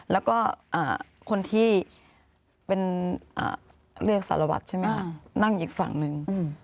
แล้วก็คนที่เป็นเรียกสารวัตรใช่ไหมนั่งอีกฝั่งหนึ่ง